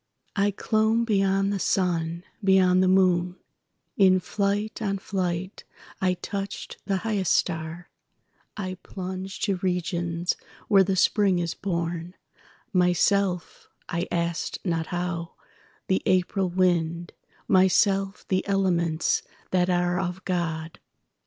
I clomb beyond the sun, beyond the moon; In flight on flight I touched the highest star;I plunged to regions where the Spring is born, Myself (I asked not how) the April wind, Myself the elements that are of God.